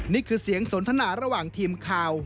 นี่คือเสียงสนทนาระหว่างทีมข่าว